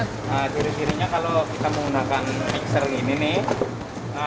nah ciri cirinya kalau kita menggunakan mixer gini nih